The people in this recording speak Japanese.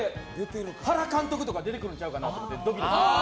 原監督とか出てくるんちゃうかと思って。